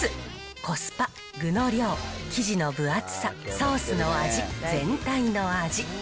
コスパ、具の量、生地の分厚さ、ソースの味、全体の味。